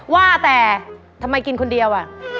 ว่าแต่ทำไมกินคนเดียวอ่ะ